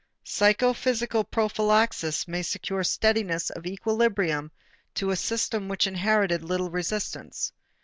Psychophysical prophylaxis may secure steadiness of equilibrium to a system which inherited little resistance.